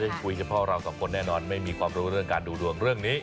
แต่ไม่ได้คุยกับพ่อเรากับคนแน่นอนไม่มีความรู้เรื่องการดูดวงเรื่องนี้